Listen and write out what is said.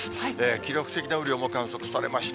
記録的な雨量も観測されました。